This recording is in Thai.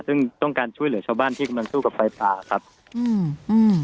ซึ่งต้องการช่วยเหลือชาวบ้านที่กำลังสู้กับไฟป่าครับอืมอืม